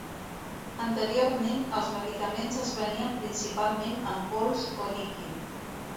Anteriorment, els medicaments es venien principalment en pols o líquid.